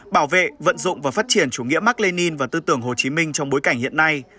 bảo vệ vận dụng và phát triển chủ nghĩa mạc lê ninh và tư tưởng hồ chí minh trong bối cảnh hiện nay